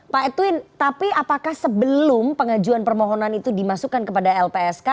pak edwin tapi apakah sebelum pengajuan permohonan itu dimasukkan kepada lpsk